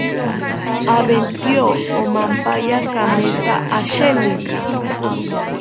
Aventyo omampaka kametha asheninka